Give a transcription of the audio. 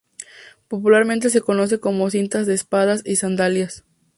Popularmente se conoce como cintas de "espadas y sandalias".